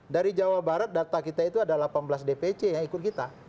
dari jawa barat data kita itu ada delapan belas dpc yang ikut kita